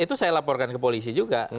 itu saya laporkan ke polisi juga